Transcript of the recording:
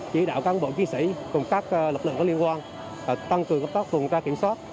chỉ đạo các bộ kinh sĩ cùng các lập lượng có liên quan tăng cường cấp tác tuần tra kiểm soát